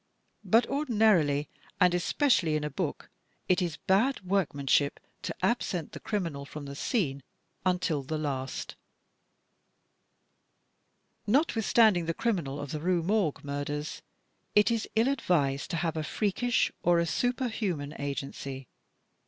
But ordi narily, and especially in a book, it is bad workmanship to absent the criminal from the scene until the last. Notwithstanding the criminal of the Rue Morgue murders, it is ill advised to have a freakish or a superhuman agency.